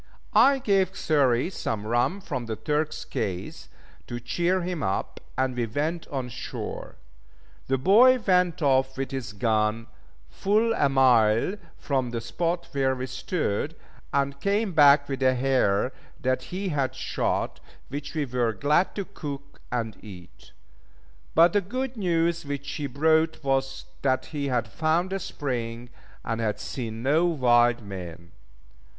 I gave Xury some rum from the Turk's case to cheer him up, and we went on shore. The boy went off with his gun, full a mile from the spot where we stood, and came back with a hare that he had shot, which we were glad to cook and eat; but the good news which he brought was that he had found a spring, and had seen no wild men.